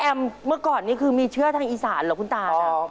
แล้วทำไมเจ๊แอมเมื่อก่อนนี้คือมีเชื้อทางอีสานเหรอคุณต่าง